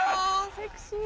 セクシー。